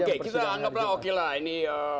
oke kita anggap lah oke lah ini